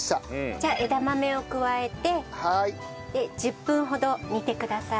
じゃあ枝豆を加えて１０分ほど煮てください。